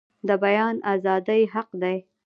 د بیان ازادي حق دی